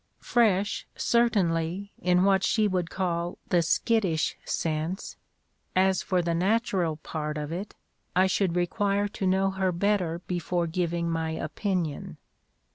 "Fresh, certainly, in what she would call the 'skittish' sense. As for the natural part of it, I should require to know her better before giving my opinion."